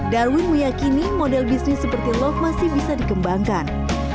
darwin meyakini model bisnis seperti love masih bisa dikembangkan